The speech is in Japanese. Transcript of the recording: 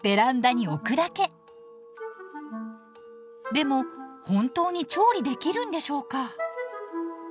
でも本当に調理できるんでしょうか？